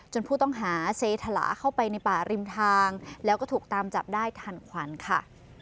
ผู้ต้องหาเซธลาเข้าไปในป่าริมทางแล้วก็ถูกตามจับได้ทันขวัญค่ะ